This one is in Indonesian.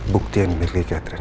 bukti yang milih catherine